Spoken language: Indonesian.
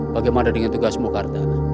bagaimana dengan tugasmu karta